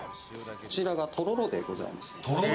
こちらが、とろろでございます。